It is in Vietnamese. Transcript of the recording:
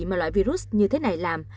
mà loại virus như thế này làm